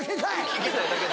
聞きたいだけ。